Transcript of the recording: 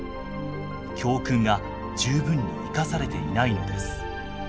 教訓が十分に生かされていないのです。